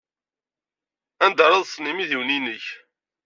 Anda ara ḍḍsen yimidiwen-nnek?